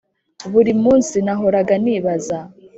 buri munsi nahoraga nibaza